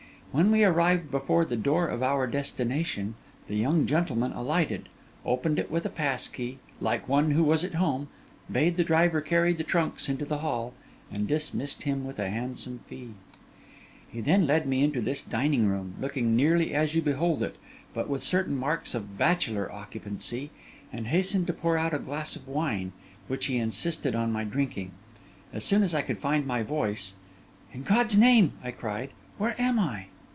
When we arrived before the door of our destination, the young gentleman alighted, opened it with a pass key like one who was at home, bade the driver carry the trunks into the hall, and dismissed him with a handsome fee. He then led me into this dining room, looking nearly as you behold it, but with certain marks of bachelor occupancy, and hastened to pour out a glass of wine, which he insisted on my drinking. As soon as I could find my voice, 'In God's name,' I cried, 'where am I?